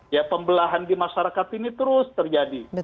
ya pembelahan di masyarakat ini terus terjadi